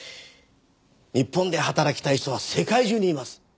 日本で働きたい人は世界中にいます。